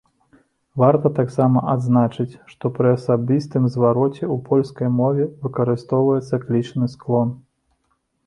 Варта таксама адзначыць, што пры асабістым звароце ў польскай мове выкарыстоўваецца клічны склон.